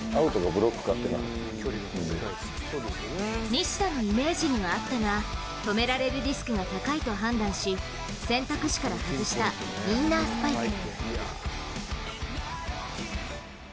西田のイメージにはあったが止められるリスクが高いと判断し選択肢から外したインナースパイク。